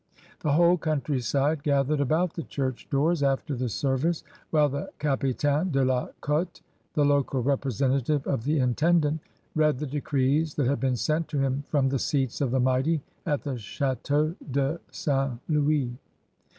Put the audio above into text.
The whole coimtryside gathered about the church doors after the service while the capitaine de la cdUy the local representative of the intendant, read the decrees that had been sent to him from the seats of the mighty at the Ch&teau de St. Louis.